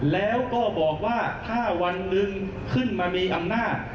แล้วก็บอกว่าถ้าวันหนึ่งขึ้นมามีอำนาจ